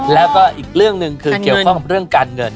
แล้วก็อีกเรื่องหนึ่งคือเกี่ยวข้องกับเรื่องการเงิน